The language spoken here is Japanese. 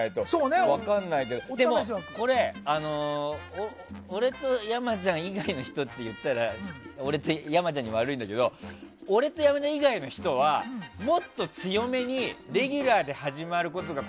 でもこれ、俺と山ちゃん以外の人って言ったら俺、山ちゃんには悪いんだけど俺以外の人はもっと強めにレギュラーで始まることが。